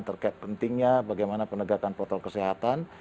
terkait pentingnya bagaimana penegakan protokol kesehatan